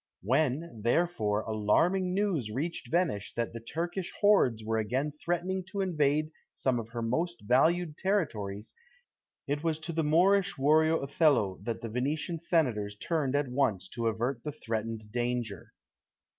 When, therefore, alarming news reached Venice that the Turkish hordes were again threatening to invade some of her most valued territories, it was to the Moorish warrior Othello that the Venetian senators turned at once to avert the threatened danger.